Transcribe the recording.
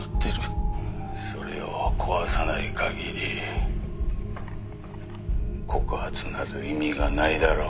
「それを壊さない限り告発など意味がないだろ？」